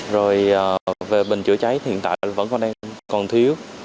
rồi về bình chữa cháy hiện tại vẫn còn thiếu